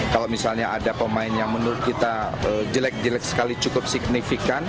kalau misalnya ada pemain yang menurut kita jelek jelek sekali cukup signifikan